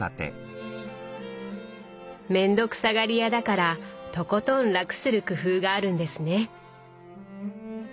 面倒くさがり屋だからとことん楽する工夫があるんですね。